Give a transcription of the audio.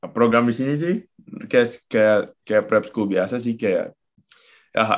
program disini sih kayak prep school biasa sih kayak